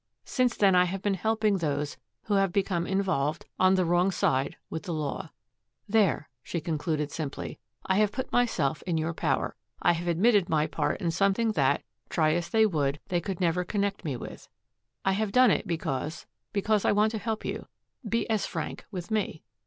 Since then I have been helping those who have become involved, on the wrong side, with the law. There," she concluded simply, "I have put myself in your power. I have admitted my part in something that, try as they would, they could never connect me with. I have done it because because I want to help you. Be as frank with me."